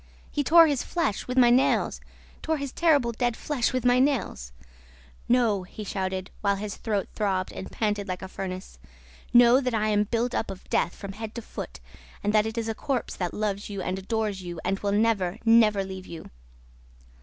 He tore his flesh with my nails, tore his terrible dead flesh with my nails! ... 'Know,' he shouted, while his throat throbbed and panted like a furnace, 'know that I am built up of death from head to foot and that it is a corpse that loves you and adores you and will never, never leave you!